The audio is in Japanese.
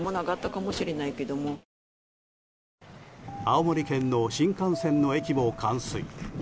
青森県の新幹線の駅も冠水。